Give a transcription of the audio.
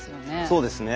そうですね。